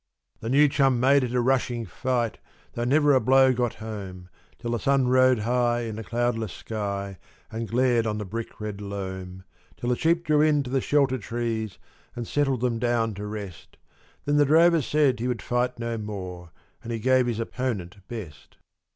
The new chum made it a rushing fight, though never a blow got home, Till the sun rode high in the cloudless sky and glared on the brick red loam, Till the sheep drew in to the shelter trees and settled them down to rest, Then the drover said he would fight no more, and he gave his opponent best.